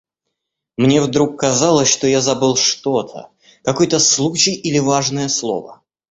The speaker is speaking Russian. Мне вдруг казалось, что я забыл что-то, какой-то случай или важное слово.